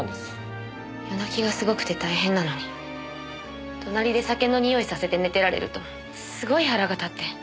夜泣きがすごくて大変なのに隣で酒の臭いさせて寝てられるとすごい腹が立って。